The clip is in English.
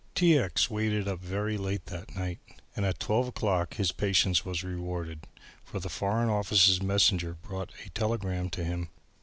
T. X. waited up very late that night and at twelve o'clock his patience was rewarded, for the Foreign Office messenger brought a telegram to him.